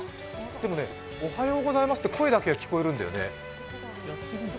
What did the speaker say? でもね、おはようございますって声だけは聞こえるんだよね。